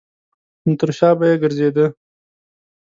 نو تر شا به یې ګرځېده.